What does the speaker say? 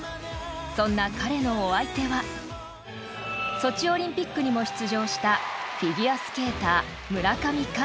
［そんな彼のお相手はソチオリンピックにも出場したフィギュアスケーター］